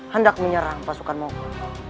hendak menyerang pasukan mongol